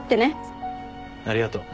ありがとう。